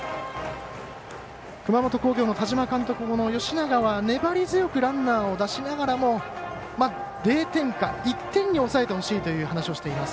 熊本工業の田島監督も吉永は粘り強くランナーを出しながらも０点か１点に抑えてほしいという話をしています。